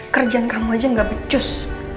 kerjaan kamu aja gak becus